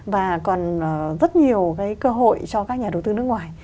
và còn rất nhiều cái cơ hội cho các nhà đầu tư nước ngoài